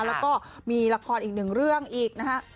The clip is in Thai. แล้วก็มีละครอีกหนึ่งเรื่องอีกนะฮะ